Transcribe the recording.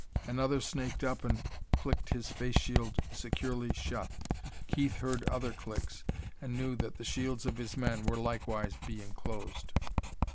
Another snaked up and clicked his face shield securely shut. Keith heard other clicks, and knew that the shields of his men were likewise being closed.